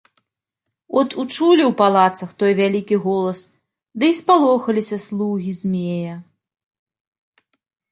От учулі ў палацах той вялікі голас ды і спалохаліся слугі змея.